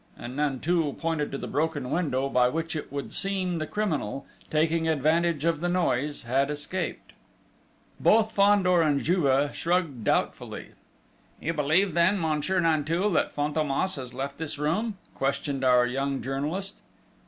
And Nanteuil pointed to the broken window by which it would seem the criminal, taking advantage of the noise, had escaped. But both Fandor and Juve shrugged doubtfully. "You believe then, Monsieur Nanteuil, that Fantômas has left this room?" questioned our young journalist.